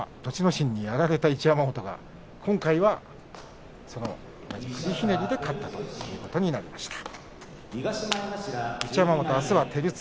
心にやられた一山本が今回は首ひねりで勝ったということになりました。